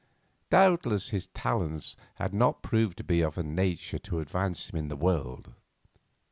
Doubtless his talents had not proved to be of a nature to advance him in the world.